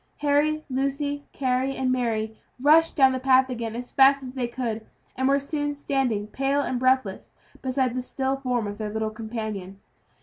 Harry, Lucy, Carry, and Mary, rushed down the path again as fast as they could, and were soon standing pale and breathless beside the still form of their little companion.